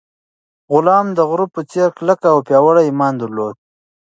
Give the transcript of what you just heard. غلام د غره په څېر کلک او پیاوړی ایمان درلود.